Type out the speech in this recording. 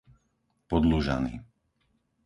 Podlužany